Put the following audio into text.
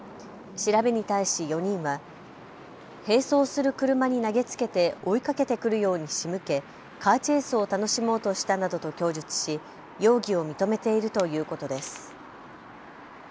調べに対し４人は並走する車に投げつけて追いかけてくるようにしむけカーチェイスを楽しもうとしたなどと供述し容疑を認めているということです。